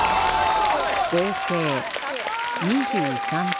合計２３点